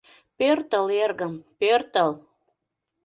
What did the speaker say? «Пӧртыл, эргым, пӧртыл!